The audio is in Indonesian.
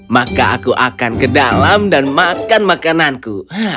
maka aku akan ke dalam dan memanfaatkanmu